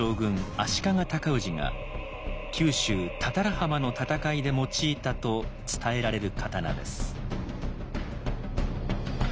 足利尊氏が九州多々良浜の戦いで用いたと伝えられる刀です。